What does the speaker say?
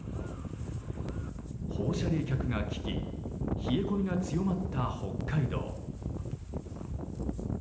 放射冷却が効き冷え込みが強まった北海道。